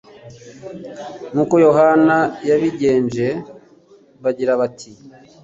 nkuko Yohana yabigenje, bagira bati: